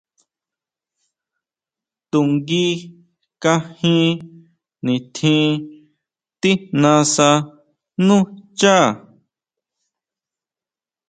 To nguí kanjin nitjín tijnasa nú xchá.